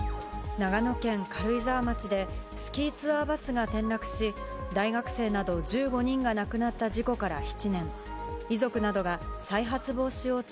長野県軽井沢町で、スキーツアーバスが転落し、大学生など１５人が亡くなった事故から７年。